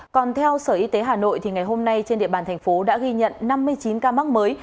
còn theo sở y tế hà nội ngày hôm nay trên địa bàn thành phố đã ghi nhận năm mươi chín ca mắc mới